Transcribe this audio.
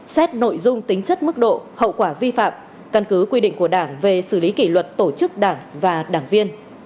xét nội dung tính chất mức độ hậu quả vi phạm căn cứ quy định của đảng về xử lý kỷ luật tổ chức đảng và đảng viên